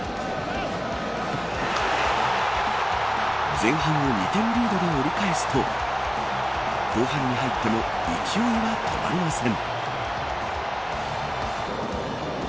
前半を２点リードで折り返すと後半に入っても勢いが止まりません。